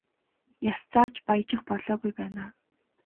Яс зарж баяжих болоогүй байна аа.